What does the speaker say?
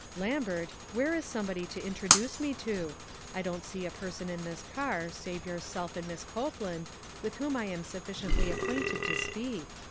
"Lambert, where is somebody to intro duce me to ? I don't see a person in this car, save yourself and Miss Copeland, with whom I am sufficiently acquainted to speak.